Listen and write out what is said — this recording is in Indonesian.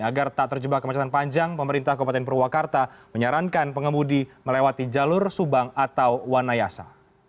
agar tak terjebak kemacetan panjang pemerintah kabupaten purwakarta menyarankan pengemudi melewati jalur subang atau wanayasa